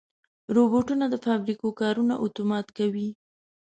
روبوټونه د فابریکو کارونه اتومات کوي.